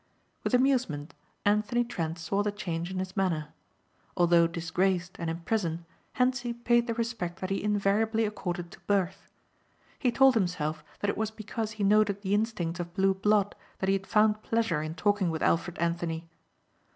With amusement Anthony Trent saw the change in his manner. Although disgraced and in prison Hentzi paid the respect that he invariably accorded to birth. He told himself that it was because he noted the instincts of blue blood that he had found pleasure in talking with Alfred Anthony.